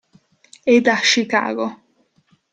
E da Chicago.